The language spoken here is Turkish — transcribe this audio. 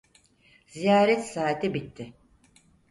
Ziyaret saati bitti.